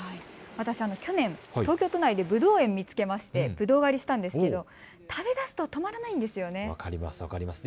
私、去年、東京都内でぶどう園を見つけてぶどう狩りをしたんですが食べだすと止まらないですね。